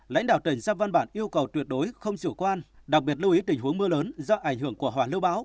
lãnh đạo tỉnh giáp văn bản yêu cầu tuyệt đối không chủ quan đặc biệt lưu ý tình huống mưa lớn do ảnh hưởng của hòa lưu báo